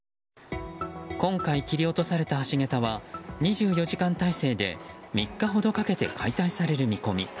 今回切り落とされた橋桁は２４時間体制で３日ほどかけて解体される見込み。